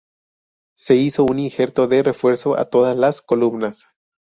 Se hizo un injerto de refuerzo a todas las columnas.